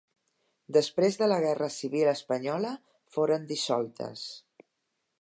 Després de la guerra civil espanyola foren dissoltes.